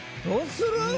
どうする？